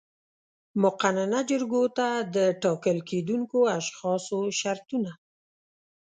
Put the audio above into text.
مقننه جرګو ته د ټاکل کېدونکو اشخاصو شرطونه